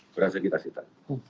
berhasil kita cita